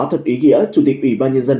thật ý nghĩa chủ tịch ủy ban nhân dân